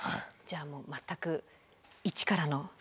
じゃあもう全く一からの。